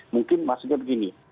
mungkin maksudnya begini